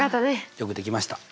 よくできました。